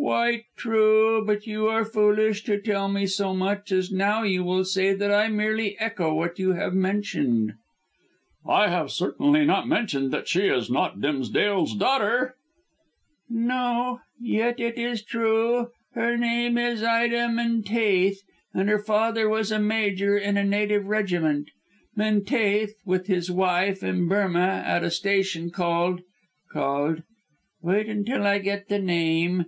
"Quite true; but you are foolish to tell me so much, as now you will say that I merely echo what you have mentioned." "I have certainly not mentioned that she is not Dimsdale's daughter." "No. Yet it is true. Her name is Ida Menteith, and her father was a major in a native regiment. Menteith was with his wife in Burmah at a hill station called called wait until I get the name."